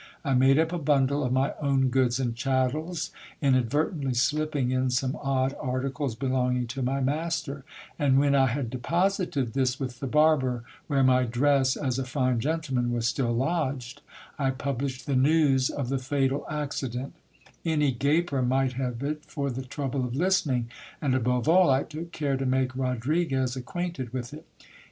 I made up a bundle of my own goods and chattels, inadvertently slipping in some odd articles belonging to my master : and when I had deposited this with the barber, where my dress as a fine gentleman was still lodged, I published the news of the fatal accident Any gaper might have it for the trouble of listening ; and above all, I took care to make Rodriguez acquainted with it.